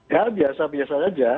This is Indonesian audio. ya biasa biasa aja